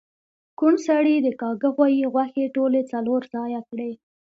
کوڼ سړي د کاږه غوایی غوښې ټولی څلور ځایه کړی